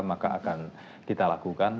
maka akan kita lakukan